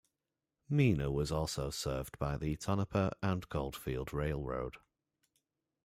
Mina was also served by the Tonopah and Goldfield Railroad.